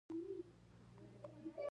د انګېزو نه شتون یو لوی لامل دی.